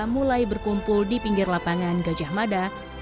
mulai berkumpul di pinggir lapangan gajah mada